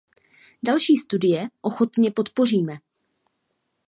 Další studie ochotně podpoříme.